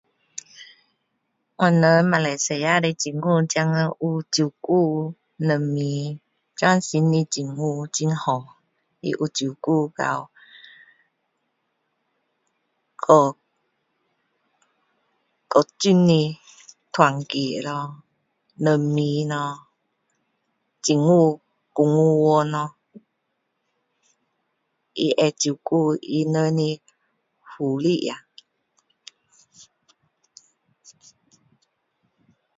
我们马来西亚的政府现今有照顾人民现在新的政府很好他有照顾到各各种的团结咯人民咯政府公务员咯他会照顾他们的福利啊